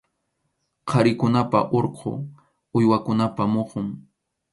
Qharikunapa urqu uywakunapa muhun.